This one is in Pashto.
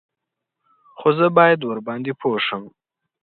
_خو زه بايد ورباندې پوه شم.